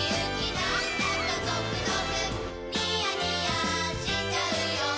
なんだかゾクゾクニヤニヤしちゃうよ